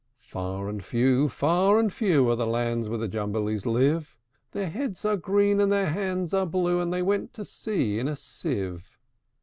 Far and few, far and few, Are the lands where the Jumblies live: Their heads are green, and their hands are blue; And they went to sea in a sieve.